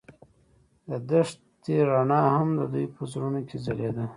د دښته رڼا هم د دوی په زړونو کې ځلېده.